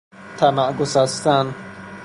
طمع گسستن